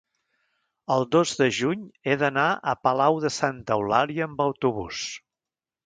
el dos de juny he d'anar a Palau de Santa Eulàlia amb autobús.